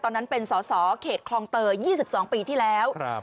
ตอนนั้นเป็นส่อส่อเขตคลองเตอร์ยี่สิบสองปีที่แล้วครับ